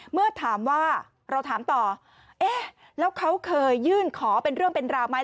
เมื่อถามว่าเราถามต่อเอ๊ะแล้วเขาเคยยื่นขอเป็นเรื่องเป็นราวไหม